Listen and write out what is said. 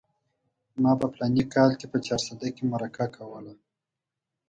ما په فلاني کال کې په چارسده کې مرکه کوله.